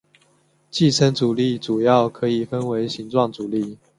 寄生阻力主要可以分为形状阻力。